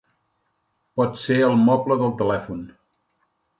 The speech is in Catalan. Potser al moble del telèfon.